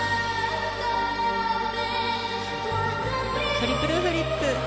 トリプルフリップ。